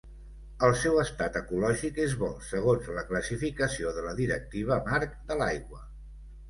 El seu estat ecològic és bo segons la classificació de la Directiva marc de l'aigua.